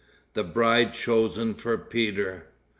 The Bride Chosen for Peter.